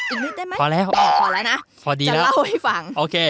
อีกนิดได้ไหมพอแล้วพอแล้วนะพอดีแล้วเล่าให้ฟังโอเค